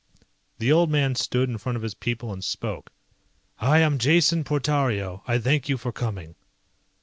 The old man stood in front of his people and spoke. "I am Jason Portario, I thank you for coming."